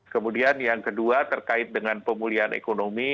kemudian yang kedua terkait dengan pemulihan ekonomi